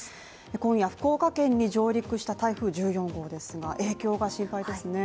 今夜、福岡県に上陸した台風１４号ですが、影響が心配ですね。